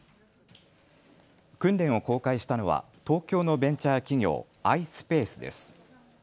訓練を公開したのは東京のベンチャー企業ｉｓｐａｃｅです。